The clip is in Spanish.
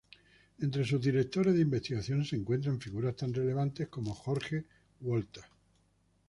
Entre sus directores de investigación se encuentran figuras tan relevantes como Jorge Walter.